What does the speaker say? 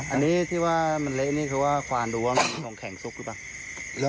อันนี้ที่ว่ามันเละนี่คือว่าควานหรือว่าของแข็งซุกหรือเปล่า